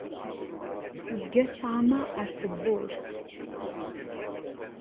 Tezga tettɣama ar tewwurt.